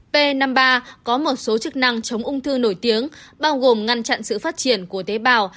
p năm mươi ba có một số chức năng chống ung thư nổi tiếng bao gồm ngăn chặn sự phát triển của tế bào